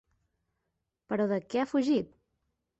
Però de què ha fugit?